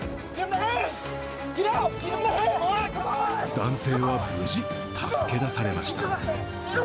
男性は無事、助け出されました。